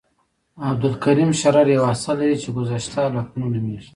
عبدالکریم شرر یو اثر لري چې ګذشته لکنهو نومیږي.